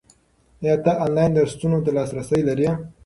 ایا ته آنلاین درسونو ته لاسرسی لرې؟